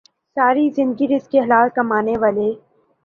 ساری زندگی رزق حلال کمانے والے